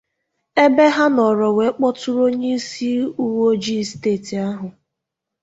ebe ha nọrọ wee kpọtụrụ onyeisi uweojii steeti ahụ.